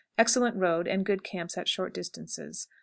Excellent road, and good camps at short distances.